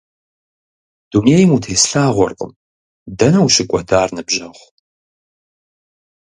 Дунейм утеслъагъуэркъыми, дэнэ ущыкӀуэдар, ныбжьэгъу?